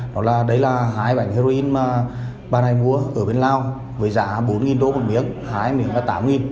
nó là đấy là hai bánh heroin mà bà này mua ở bên lào với giá bốn đô một miếng hai miếng là tám